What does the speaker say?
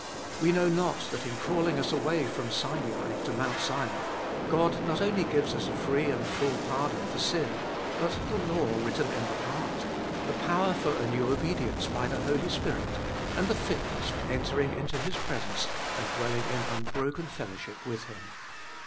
We know not that in calling us away from Sinai to Mount Sion, God not only gives us a free and full pardon for sin, but the law written in the heart, the power for a new obedience by the Holy Spirit, and the fitness for entering into His presence, and dwelling in unbroken fellowship with Him.